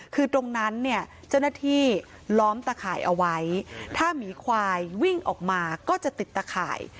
คือตรงนั้นเนี่ยเจ้าหน้าที่ล้อมตะข่ายเอาไว้ถ้าหมีควายวิ่งออกมาก็จะติดตะข่าย